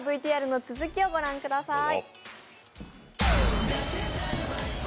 ＶＴＲの続きをご覧ください。